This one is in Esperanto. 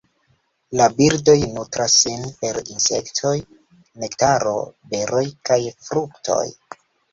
La birdoj nutras sin per insektoj, nektaro, beroj kaj fruktoj.